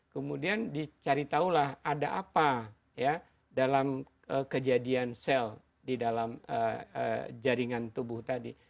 kemudian dicari tahulah ada apa ya dalam kejadian sel di dalam jaringan tubuh tadi